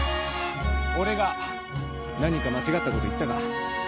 俺が何か間違ったこと言ったか？